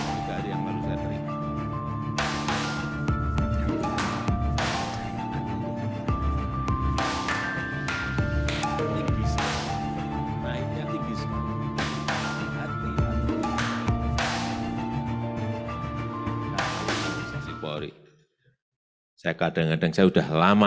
sangat beresiko dari yang baru saya terima